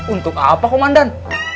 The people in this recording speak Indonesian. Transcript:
untuk apa komandan